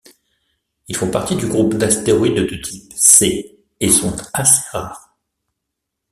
Ils font partie du groupe d'astéroïdes de type C et sont assez rares.